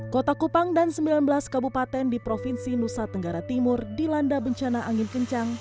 kota kupang dan sembilan belas kabupaten di provinsi nusa tenggara timur dilanda bencana angin kencang